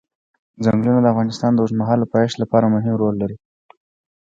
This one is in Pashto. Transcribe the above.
ځنګلونه د افغانستان د اوږدمهاله پایښت لپاره مهم رول لري.